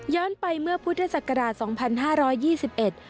ย้อนไปเมื่อพุทธศักราช๒๕๒๑